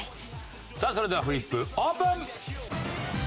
さあそれではフリップオープン！